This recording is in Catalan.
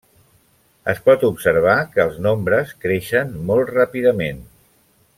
Es pot observar que els nombres creixen molt ràpidament.